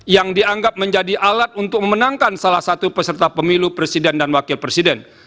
yang dianggap menjadi alat untuk memenangkan salah satu peserta pemilu presiden dan wakil presiden